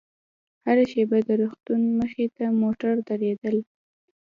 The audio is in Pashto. هره شېبه د روغتون مخې ته موټر درېدل.